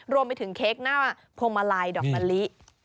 รวมไปถึงเค้กหน้าพวงมาลัยดอกมะลิ